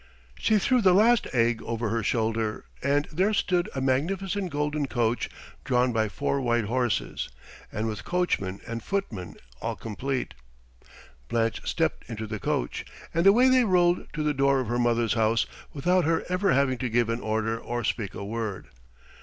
She threw the last egg over her shoulder, and there stood a magnificent golden coach drawn by four white horses, and with coachman and footman all complete. Blanche stepped into the coach, and away they rolled to the door of her mother's house without her ever having to give an order or speak a word.